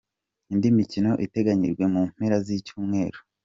Indi mikino iteganyijwe mu mpera z’icyumweru:.